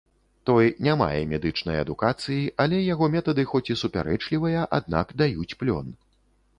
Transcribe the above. Той не мае медычнай адукацыі, але яго метады хоць і супярэчлівыя, аднак даюць плён.